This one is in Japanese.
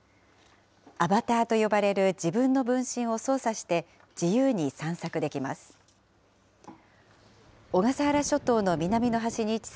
アバターと呼ばれる自分の分身を操作して、自由に散策できます。